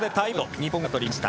日本がとりました。